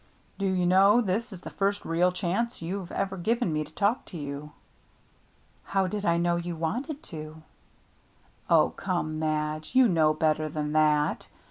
" Do you know, this is the first real chance you've ever given me to talk to you ?"" How did I know you wanted to ?"" Oh, come, Madge, you know better than that.